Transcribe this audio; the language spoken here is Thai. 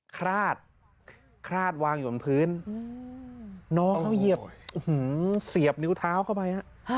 คลาดคลาดวางอยู่บนพื้นน้องเขาเหยียบเสียบนิ้วเท้าเข้าไปฮะ